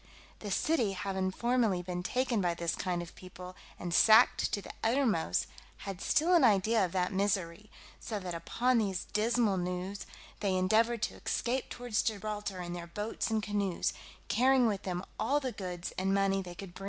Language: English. The city having formerly been taken by this kind of people, and sacked to the uttermost, had still an idea of that misery; so that upon these dismal news they endeavoured to escape towards Gibraltar in their boats and canoes, carrying with them all the goods and money they could.